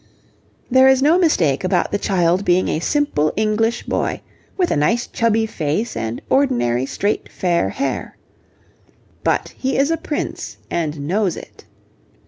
There is no mistake about the child being a simple English boy, with a nice chubby face and ordinary straight fair hair. But he is a prince and knows it.